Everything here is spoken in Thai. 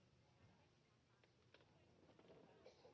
โปรดติดตามตอนต่อไป